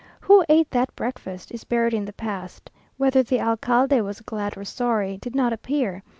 Who ate that breakfast, is buried in the past. Whether the alcalde was glad or sorry, did not appear.